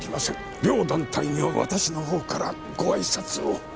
両団体には私のほうからご挨拶を。